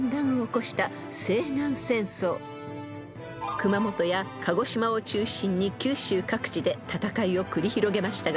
［熊本や鹿児島を中心に九州各地で戦いを繰り広げましたが］